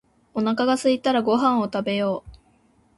おなかがすいたらご飯を食べよう